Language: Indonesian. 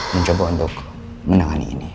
mencoba untuk menangani ini